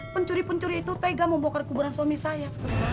pencuri pencuri itu tega membongkar kuburan suami saya